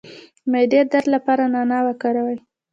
د معدې درد لپاره نعناع وکاروئ